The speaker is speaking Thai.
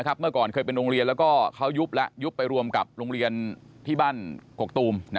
เมื่อก่อนเคยเป็นโรงเรียนแล้วก็เขายุบแล้วยุบไปรวมกับโรงเรียนที่บ้านกกตูม